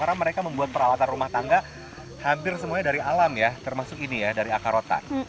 karena mereka membuat peralatan rumah tangga hampir semuanya dari alam ya termasuk ini ya dari akar rotan